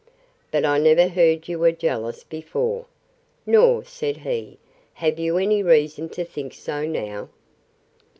But I never heard you were jealous before. Nor, said he, have you any reason to think so now!